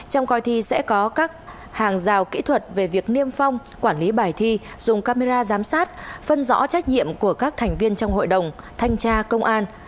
trong coi thi sẽ có các hàng rào kỹ thuật về việc niêm phong quản lý bài thi dùng camera giám sát phân rõ trách nhiệm của các thành viên trong hội đồng thanh tra công an